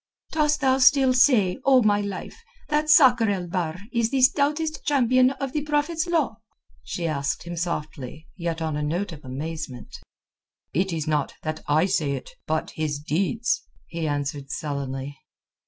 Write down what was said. "Dost thou still say, O my life, that Sakr el Bahr is the stoutest champion of the Prophet's law?" she asked him softly, yet on a note of amazement. "It is not I that say it, but his deeds," he answered sullenly.